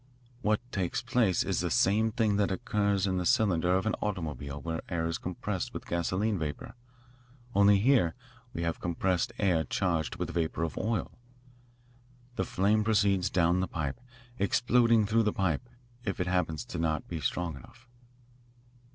What takes place is the same thing that occurs in the cylinder of an automobile where the air is compressed with gasoline vapour. Only here we have compressed air charged with vapour of oil. The flame proceeds down the pipe exploding through the pipe, if it happens to be not strong enough.